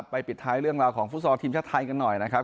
ปิดท้ายเรื่องราวของฟุตซอลทีมชาติไทยกันหน่อยนะครับ